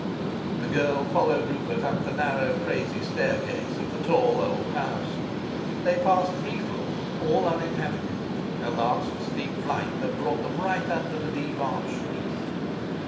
The girl followed Rupert up the narrow crazy staircase of the tall old house. They passed three floors, all uninhabited; a last steep flight that brought them right under the deep arched roof.